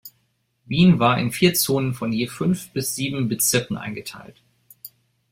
Wien war in vier Zonen von je fünf bis sieben Bezirken eingeteilt.